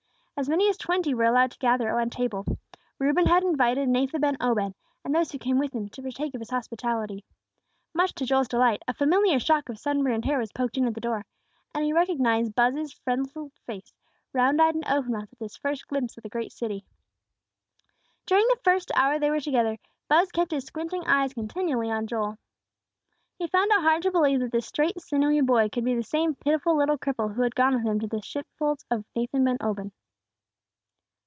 As many as twenty were allowed to gather at one table. Reuben had invited Nathan ben Obed, and those who came with him, to partake of his hospitality. Much to Joel's delight, a familiar shock of sunburned hair was poked in at the door, and he recognized Buz's freckled face, round eyed and open mouthed at this first glimpse of the great city. During the first hour they were together, Buz kept his squinting eyes continually on Joel. He found it hard to believe that this straight, sinewy boy could be the same pitiful little cripple who had gone with him to the sheepfolds of Nathan ben Obed.